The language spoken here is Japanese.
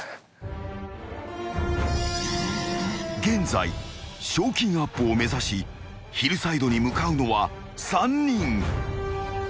［現在賞金アップを目指しヒルサイドに向かうのは３人］